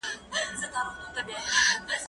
زه بوټونه نه پاکوم،